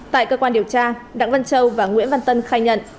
tại cơ quan điều tra đặng văn châu và nguyễn văn tân khai nhận